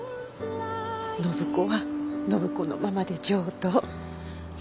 暢子は暢子のままで上等。